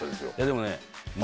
でもね。